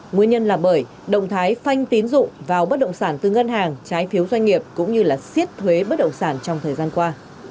nguyên nhân là bởi động thái phanh tín dụng vào bất động sản từ ngân hàng trái phiếu doanh nghiệp cũng như siết thuế bất động sản trong thời gian qua